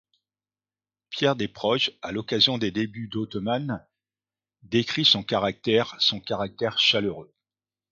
Pierre Desproges, à l'occasion des débuts d'Autheman, décrit son caractère son caractère chaleureux.